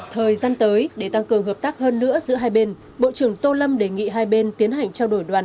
thời gian tới để tăng cường hợp tác hơn nữa giữa hai bên bộ trưởng tô lâm đề nghị hai bên tiến hành trao đổi đoàn